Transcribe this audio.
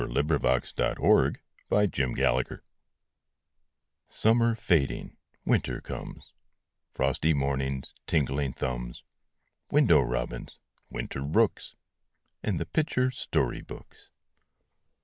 PICTURE BOOKS IN WINTER Summer fading, winter comes Frosty mornings, tingling thumbs, Window robins, winter rooks, And the picture story books.